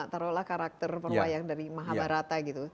terolah karakter perwayang dari mahabharata gitu